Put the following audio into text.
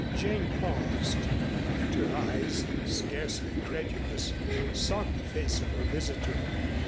Jane paused, and her eyes, scarcely credulous, sought the face of her visitor.